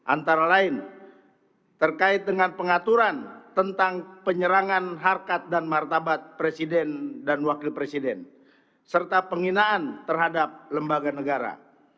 antara lain terkait dengan pengaturan tentang penyerangan harkat dan martabat presiden dan wakil presiden serta penghinaan terhadap lembaga negara